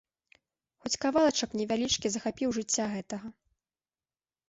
Хоць кавалачак невялічкі захапіў жыцця гэтага.